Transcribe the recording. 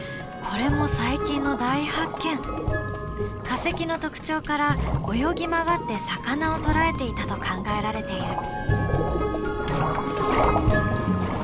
化石の特徴から泳ぎ回って魚を捕らえていたと考えられている。